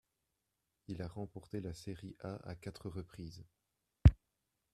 Il a remporté la Serie A à quatre reprises.